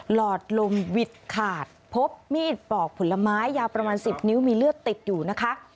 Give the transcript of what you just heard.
หลอดลมวิดขาดพบมีดปอกผลไม้ยาวประมาณ๑๐นิ้วมีเลือดติดอยู่นะคะ